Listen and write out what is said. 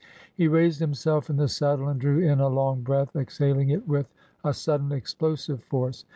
He raised himself in the saddle and drew in a long breath, exhaling it with a sudden, explosive force.